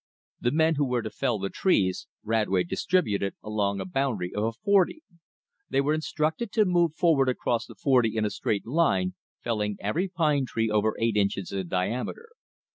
The men who were to fell the trees, Radway distributed along one boundary of a "forty." They were instructed to move forward across the forty in a straight line, felling every pine tree over eight inches in diameter.